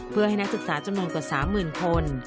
เพื่อให้นักศึกษาจำนวนกว่า๓๐๐๐คน